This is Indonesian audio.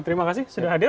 terima kasih sudah hadir